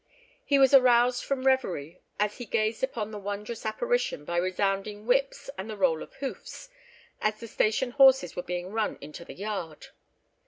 He was aroused from reverie as he gazed upon the wondrous apparition by resounding whips and the roll of hoofs, as the station horses were being run into the yard.